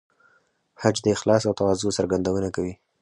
حج د اخلاص او تواضع څرګندونه کوي.